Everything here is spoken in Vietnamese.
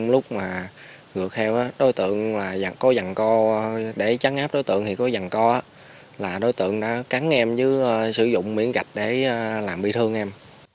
lúc mà gượt heo đối tượng có dằn co để chắn áp đối tượng thì có dằn co là đối tượng đã cắn em chứ sử dụng miễn gạch để làm bị thương em